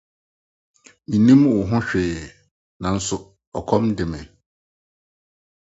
Minnim wo ho hwee, nanso ɔkɔm de me.